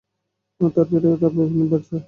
আর তার পেটে তার বয়ফ্রেন্ডের বাচ্চা।